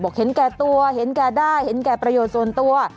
เห็นแก่ตัวเห็นแก่ได้เห็นแก่ประโยชน์ส่วนตัว